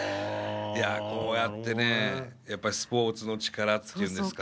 いやこうやってねやっぱりスポーツの力っていうんですかね。